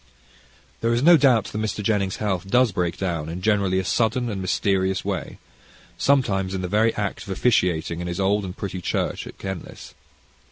There is no doubt that Mr. Jennings' health does break down in, generally, a sudden and mysterious way, sometimes in the very act of officiating in his old and pretty church at Kenlis.